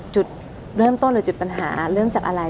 จุดเริ่มต้นหรือจุดปัญหาเริ่มจากอะไร